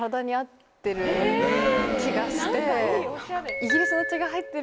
気がして。